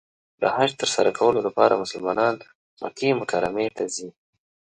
د حج تر سره کولو لپاره مسلمانان مکې مکرمې ته ځي .